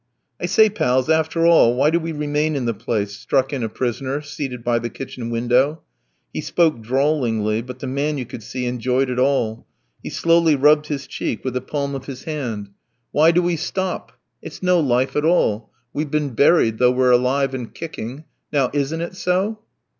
"I say, pals, after all, why do we remain in the place?" struck in a prisoner seated by the kitchen window; he spoke drawlingly, but the man, you could see, enjoyed it all; he slowly rubbed his cheek with the palm of his hand. "Why do we stop? It's no life at all, we've been buried, though we're alive and kicking. Now isn't it so?"